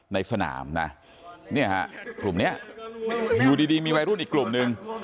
ในสนามนะเนี่ยฮะกลุ่มนี้อยู่ดีมีวัยรุ่นอีกกลุ่มนึง